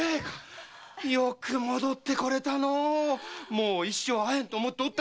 もう一生会えんと思っておったんだよ！